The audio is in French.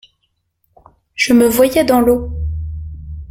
Je me voyais dans l’eau.